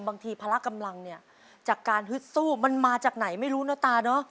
พละกำลังเนี่ยจากการฮึดสู้มันมาจากไหนไม่รู้นะตาเนอะ